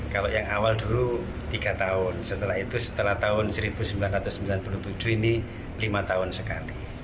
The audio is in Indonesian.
kalau yang awal dulu tiga tahun setelah itu setelah tahun seribu sembilan ratus sembilan puluh tujuh ini lima tahun sekali